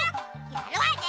やるわね！